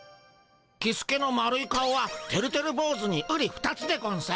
キスケの丸い顔はてるてるぼうずにうり二つでゴンス。